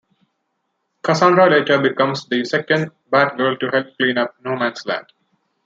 Cassandra later becomes the second Batgirl to help clean up No Man's Land.